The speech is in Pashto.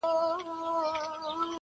ايمان حيران دے پخپل ځان بدګمان کړے مې دے